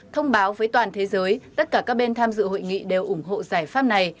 thông báo với toàn thế giới tất cả các bên tham dự hội nghị đều ủng hộ giải pháp này